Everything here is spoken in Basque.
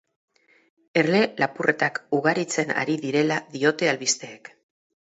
Erle lapurretak ugaritzen ari direla diote albisteek.